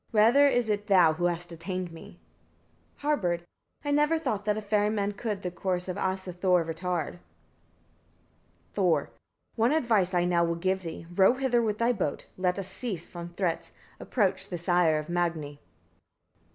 rather is it thou who hast detained me. Harbard. 52. I never thought that a ferryman could the course of Asa Thor retard. Thor. 53. One advice I now will give thee: row hither with thy boat; let us cease from threats; approach the sire of Magni.